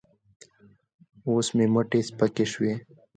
اوس مې مټې سپکې شوې.